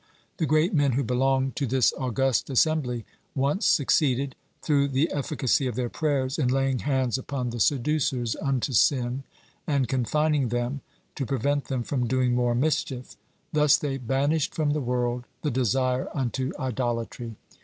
(56) The great men who belonged to this august assembly once succeeded, through the efficacy of their prayers, in laying hands upon the seducers unto sin, and confining them, to prevent them from doing more mischief. Thus they banished from the world "the desire unto idolatry."